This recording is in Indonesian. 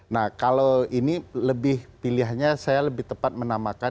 nah kalau ini lebih pilihannya saya lebih tepat menamakan